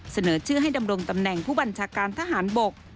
เสนอชื่อให้ดำรงตำแหน่งผู้บัญชาการทหารบก